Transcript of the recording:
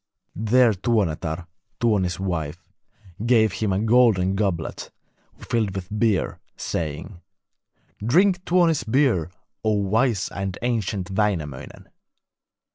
There Tuonetar, Tuoni's wife, gave him a golden goblet filled with beer, saying: 'Drink Tuoni's beer, O wise and ancient Wainamoinen!'